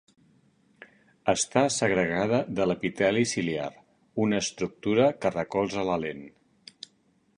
Està segregada de l'epiteli ciliar, una estructura que recolza la lent.